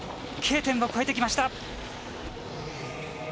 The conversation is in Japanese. Ｋ点を越えてきました。